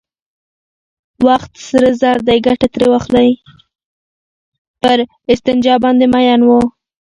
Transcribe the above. پر استنجا باندې مئين وو.